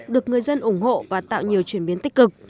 được người dân ủng hộ và tạo nhiều chuyển biến tích cực